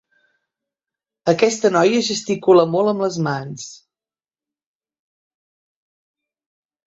Aquesta noia gesticula molt amb les mans.